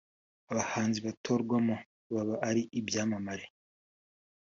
Abahanzi batorwamo baba ari ibyamamare